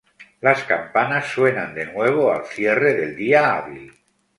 Las campanas suenan de nuevo al cierre del día hábil.